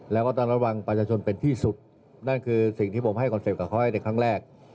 แล้วก็ต้องระวังประชาชนเป็นที่สุดนั่นคือสิ่งที่ผมให้คอนเซ็ปต์กับเขาให้ในครั้งแรก